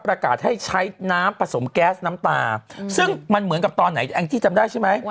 ประกาศให้ใช้น้ำผสมแก๊สน้ำตาซึ่งมันเหมือนกับตอนไหนแองจี้จำได้ใช่ไหม